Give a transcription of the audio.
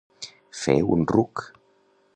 Fer un ruc.